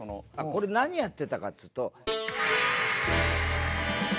これ何やってたかっていうと。